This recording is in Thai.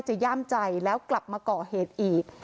ย่ามใจแล้วกลับมาก่อเหตุอีก